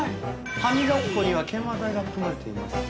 歯磨き粉には研磨剤が含まれています。